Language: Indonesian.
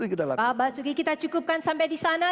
pak basuki kita cukupkan sampai di sana